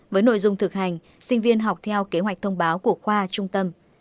với nội dung thực hành sinh viên học theo kế hoạch thông báo của khoa trung tâm